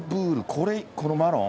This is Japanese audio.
これこのマロン？